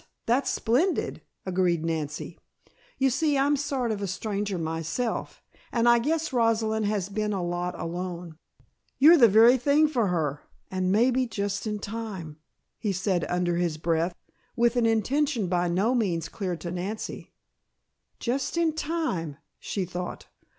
That's splendid," agreed Nancy. "You see I'm sort of a stranger myself, and I guess Rosalind has been a lot alone " "You're the very thing for her, and maybe just in time," he said under his breath, with an intention by no means clear to Nancy. "Just in time!" she thought.